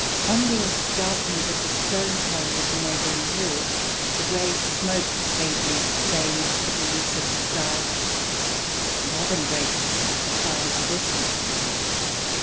On the escarpment of the stone quarry of the neighbouring hill the grey smoke faintly stains the pellucid sky and adumbrates the fires of Essen.